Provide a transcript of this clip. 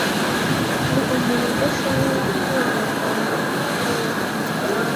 Ndi umuntu udashobora kwihanganira kuba wenyine.